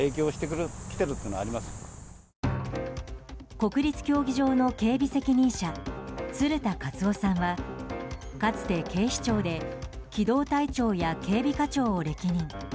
国立競技場の警備責任者鶴田勝男さんはかつて警視庁で機動隊長や警備課長を歴任。